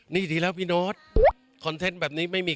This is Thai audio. จริงนะคะที่ฉันเป็นแฟนคลับของอโนส